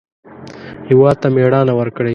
هېواد ته مېړانه ورکړئ